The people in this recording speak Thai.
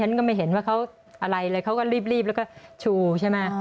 ก็ไม่เห็นว่าเขาอะไรเลยเขาก็รีบแล้วก็ชูใช่ไหม